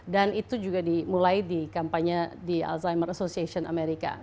dan itu juga dimulai di kampanye di alzheimer association amerika